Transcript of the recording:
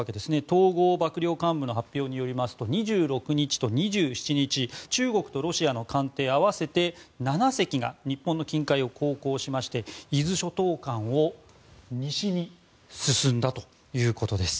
統合幕僚監部の発表によりますと２６日と２７日中国とロシアの艦艇合わせて７隻が日本の近海を航行しまして伊豆諸島間を西に進んだということです。